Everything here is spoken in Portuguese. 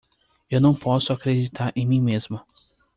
Eu não posso acreditar em mim mesmo.